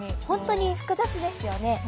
ほんとに複雑ですよね。